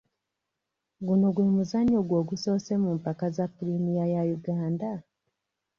Guno gwe muzannyo gwo ogusoose mu mpaka za pulimiya ya Uganda?